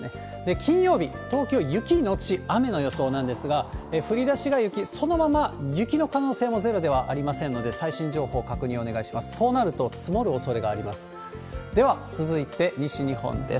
金曜日、東京、雪後雨の予想なんですが、降りだしが雪、そのまま雪の可能性もゼロではありませんので、最新情報確認をお願いします。